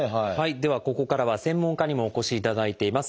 ではここからは専門家にもお越しいただいています。